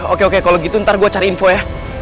oke oke kalo gitu ntar gua cari info ya